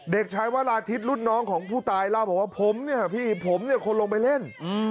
เด็กชายวราทิศรุ่นน้องของผู้ตายเล่าบอกว่าผมเนี่ยพี่ผมเนี่ยคนลงไปเล่น